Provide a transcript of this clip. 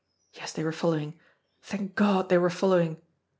Yes, they were following! Thank God, they were following!